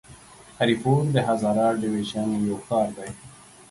هري پور د هزاره ډويژن يو ښار دی.